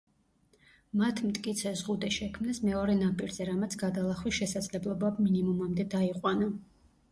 მათ მტკიცე ზღუდე შექმნეს მეორე ნაპირზე, რამაც გადალახვის შესაძლებლობა მინიმუმამდე დაიყვანა.